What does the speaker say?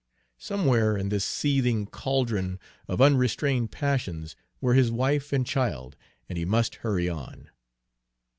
Somewhere in this seething caldron of unrestrained passions were his wife and child, and he must hurry on.